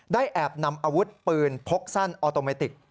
แอบนำอาวุธปืนพกสั้นออโตเมติก